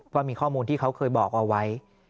ว่ามีข้อมูลที่เขาเคยบอกเอาไว้